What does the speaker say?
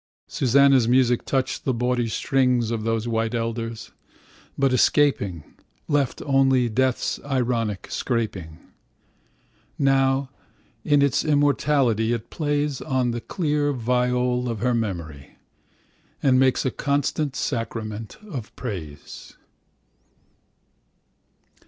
Susanna's music touched the bawdy stringsOf those white elders; but, escaping, Left only Death's ironic scraping. Now, in its immortality, it playsOn the clear viol of her memory, And makes a constant sacrament of praise.